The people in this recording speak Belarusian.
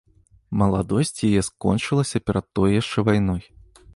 Маладосць яе скончылася перад той яшчэ вайной.